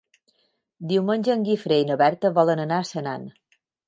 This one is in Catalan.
Diumenge en Guifré i na Berta volen anar a Senan.